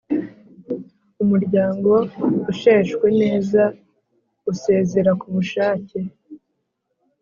Umuryango usheshwe neza usezera ku bushake